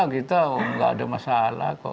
kita nggak ada masalah kok